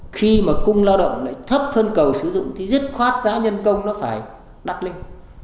khi mà cung lao động lại thấp phân cầu sử dụng thì dứt khoát giá nhân công nó phải đắt lên